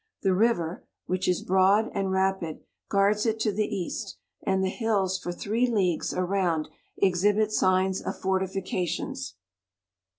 The river, which 67 is broad and rapid, guards it to the east, and the hills for three leagues around exhibit signs of fortifications.